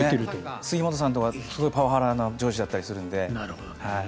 杉本さんとかすごいパワハラな上司だったりするので。